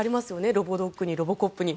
ロボドッグにロボコップに。